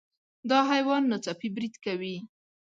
دا حیوان ناڅاپي برید کوي.